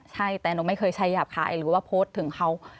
ใช่แต่หนูไม่เคยใช้หยาบคายหรือว่าโพสต์ถึงเขา